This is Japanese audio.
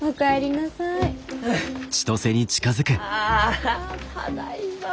ああただいま！